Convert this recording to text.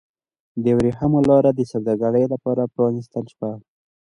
د ورېښمو لاره د سوداګرۍ لپاره پرانیستل شوه.